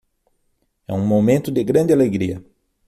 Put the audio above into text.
É um momento de grande alegria